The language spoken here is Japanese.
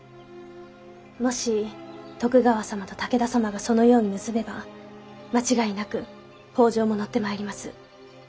もし徳川様と武田様がそのように結べば間違いなく北条も乗ってまいります。